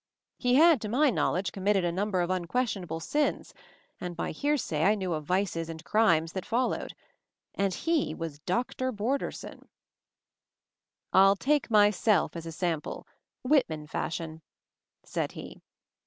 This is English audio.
He had, to my knowl edge, committed a number of unquestionable "sins," and by hearsay I knew of vices and crimes that followed. And he was Dr. Bor derson ! "Ill take myself as a sample, Whitman fashion," said he.